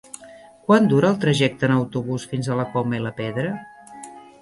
Quant dura el trajecte en autobús fins a la Coma i la Pedra?